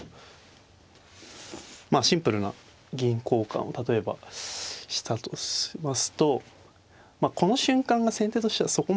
まあシンプルな銀交換を例えばしたとしますとこの瞬間が先手としてはそこまで。